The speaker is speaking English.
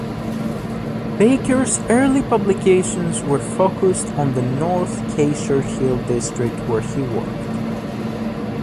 Baker's early publications were focussed on the North Cachar Hill district where he worked.